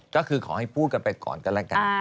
ก็คือขอให้พูดกันไปก่อนก็แล้วกัน